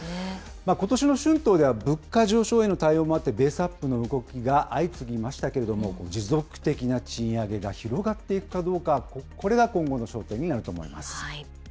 ことしの春闘では、物価上昇への対応もあって、ベースアップの動きが相次ぎましたけれども、持続的な賃上げが広がっていくかどうか、これが今後の焦点になると思います。